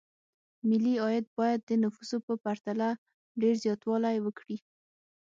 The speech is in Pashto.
ملي عاید باید د نفوسو په پرتله ډېر زیاتوالی وکړي.